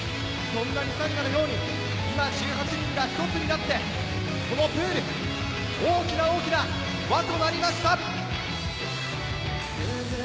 ミサンガのように今、１８人が１つになって、このプールに大きな大きな輪となりました。